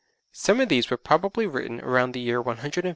Some of these were probably written about the year 150 A.D.